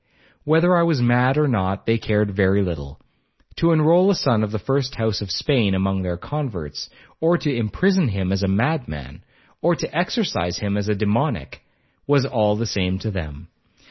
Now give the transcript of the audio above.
Whether I was mad or not, they cared very little; to enroll a son of the first house of Spain among their converts, or to imprison him as a madman, or to exorcise him as a demoniac, was all the same to them.